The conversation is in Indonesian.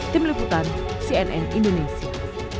tim liputan cnn indonesia